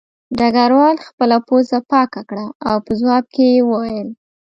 ډګروال خپله پوزه پاکه کړه او په ځواب کې یې وویل